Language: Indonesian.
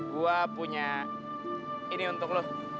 gua punya ini untuk lu